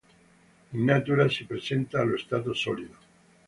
In natura si presenta allo stato solido.